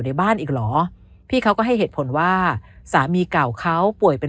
ในบ้านอีกเหรอพี่เขาก็ให้เหตุผลว่าสามีเก่าเขาป่วยเป็น